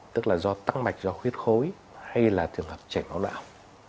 tức là do tăng mạch do khuyết khối hay là trường hợp chảy máu não